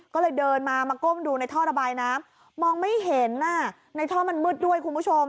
ก็เลยเดินมาก้มดูในท่อระบายน้ำมองไม่เห็นในท่อมันมืดด้วยคุณผู้ชม